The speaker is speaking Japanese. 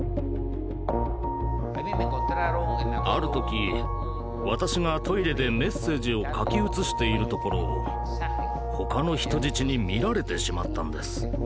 ある時私がトイレでメッセージを書き写しているところを他の人質に見られてしまったんです。